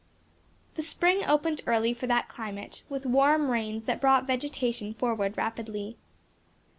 The spring opened early for that climate; with warm rains that brought vegetation forward rapidly.